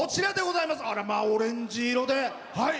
オレンジ色で。